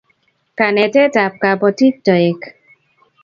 Kanetet ab kapotik toek